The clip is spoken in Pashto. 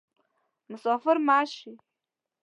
مسافر مه شي